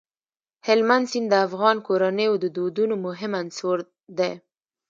هلمند سیند د افغان کورنیو د دودونو مهم عنصر دی.